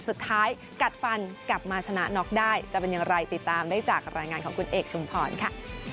สุดท้ายกัดฟันกลับมาชนะน็อกได้จะเป็นอย่างไรติดตามได้จากรายงานของคุณเอกชุมพรค่ะ